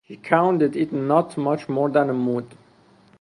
She counted it not much more than a mood.